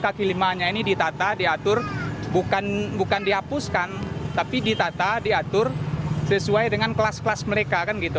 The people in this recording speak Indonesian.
kaki limanya ini ditata diatur bukan dihapuskan tapi ditata diatur sesuai dengan kelas kelas mereka